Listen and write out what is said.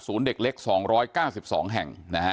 ศูนย์เด็กเล็ก๒๙๒แห่ง